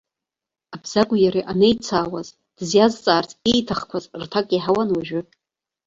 Абзагәи иареи анеицаауаз дызиазҵаарц ииҭахқәаз рҭак иаҳауан уажәы.